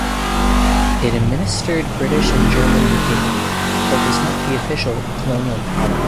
It administered British and German New Guinea, but was not the official colonial power.